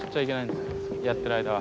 やってる間は。